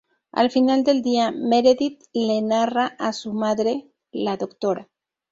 Al final del día, Meredith le narra a su madre, la Dra.